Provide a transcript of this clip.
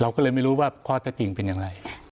เราก็เลยไม่รู้ว่าข้อจะจริงเป็นยังไง